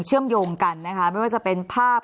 เชื่อมโยงกันนะคะไม่ว่าจะเป็นภาพ